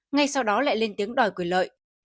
ngay sau đó lại lên tiếng đòi quyền lợi